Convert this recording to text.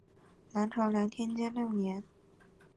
南朝梁天监六年。